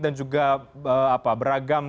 dan juga beragam